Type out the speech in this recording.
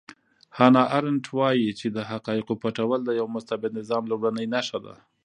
هانا ارنټ وایي چې د حقایقو پټول د یو مستبد نظام لومړنۍ نښه ده.